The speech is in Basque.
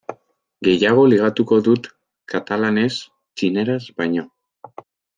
Gehiago ligatuko dut katalanez txineraz baino.